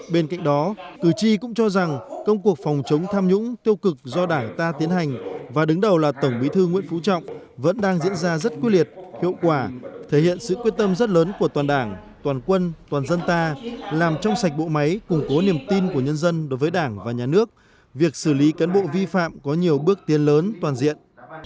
bên cạnh đó cử tri cũng cho rằng công cuộc phòng chống tham nhũng tiêu cực do đảng ta tiến hành và đứng đầu là tổng bí thư nguyễn phú trọng vẫn đang diễn ra rất quy liệt hiệu quả thể hiện sự quyết tâm rất lớn của toàn đảng toàn quân toàn dân ta làm trong sạch bộ máy củng cố niềm tin của nhân dân đối với đảng và nhà nước việc xử lý cán bộ vi phạm có nhiều bước tiến lớn toàn diện